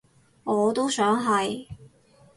我都想係